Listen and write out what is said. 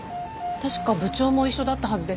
確か部長も一緒だったはずです。